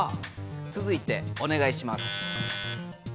つづいてお願いします。